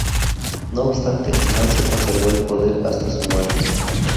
No obstante, Manso conservó el poder hasta su muerte.